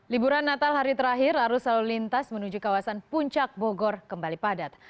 liburan natal hari terakhir arus lalu lintas menuju kawasan puncak bogor kembali padat